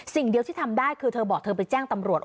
สิ่งเดียวที่ทำได้คือเธอบอกเธอไปแจ้งตำรวจ